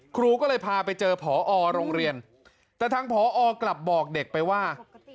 ครูก็เลยพาไปเจอผอโรงเรียนแต่ทางผอกลับบอกเด็กไปว่า